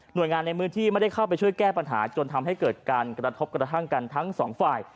โดยงานในมือที่ไม่ได้เข้าไปช่วยแก้ปัญหาจนทำให้เกิดการกระทบกระทั่งกันทั้งสองฝ่าย